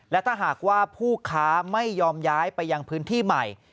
และถ้าหากว่าผู้ค้าไม่ยอมย้ายไปยังพื้นที่ใหม่